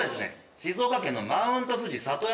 静岡県のマウントフジ里山